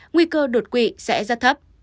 nguy cơ đột quỵ sẽ rất thấp